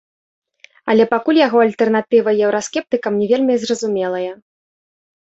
Але пакуль яго альтэрнатыва еўраскептыкам не вельмі зразумелая.